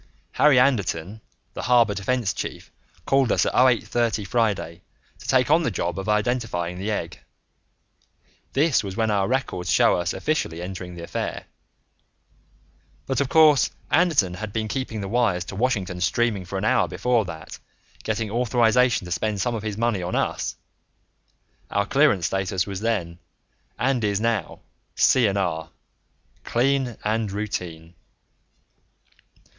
Harry Anderton, the Harbor Defense chief, called us at 0830 Friday to take on the job of identifying the egg; this was when our records show us officially entering the affair, but, of course, Anderton had been keeping the wires to Washington steaming for an hour before that, getting authorization to spend some of his money on us (our clearance status was then and is now C&R clean and routine).